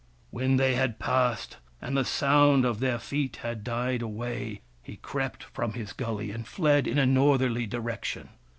When they had passed, and the sound of their feet had died away, he crept from his gully and fled in a northerly direction.